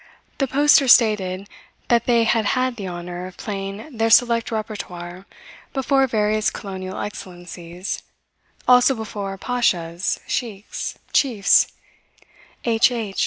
The poster stated that they had had the honour of playing their select repertoire before various colonial excellencies, also before pashas, sheiks, chiefs, H. H.